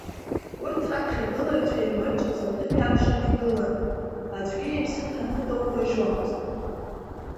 Урҭ раԥхьагылаҩцәа еимырҵәоз аҭыԥ иакәшаны игылон, аӡәгьы иԥсы ҭаны доурыжьуамызт.